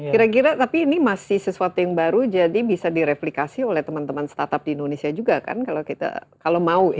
kira kira tapi ini masih sesuatu yang baru jadi bisa direplikasi oleh teman teman startup di indonesia juga kan kalau kita kalau mau